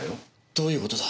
どういう事だ？